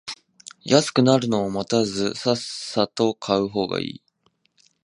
安くなるのを待たずさっさと買う方がいい